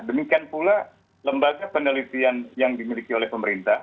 demikian pula lembaga penelitian yang dimiliki oleh pemerintah